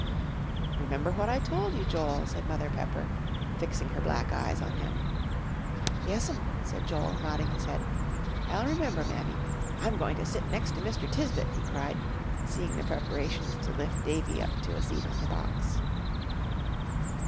"Remember what I told you, Joel," said Mother Pepper, fixing her black eyes on him. "Yes'm," said Joel, nodding his head, "I'll remember, Mammy. I'm going to sit next to Mr. Tisbett," he cried, seeing the preparations to lift Davie up to a seat on the box.